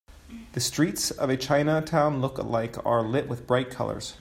The streets of a Chinatown look alike are lit with bright colors.